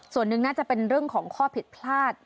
ส่วนหนึ่งน่าจะเป็นเรื่องของข้อผิดพลาด